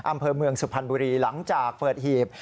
อำเภอเมืองสุพรรณบุรีหลังจากเปิดหีบ